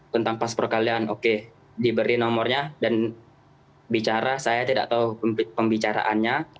tentang paspor kalian oke diberi nomornya dan bicara saya tidak tahu pembicaraannya